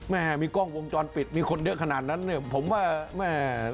แม่มีกล้องวงจรปิดมีคนเยอะขนาดนั้นเนี่ยผมว่าแม่